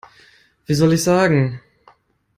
Wie soll ich sagen?